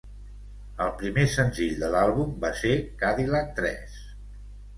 El primer senzill de l'àlbum va ser "Cadillac Dress".